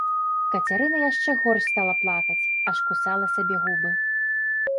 Кацярына яшчэ горш стала плакаць, аж кусала сабе губы.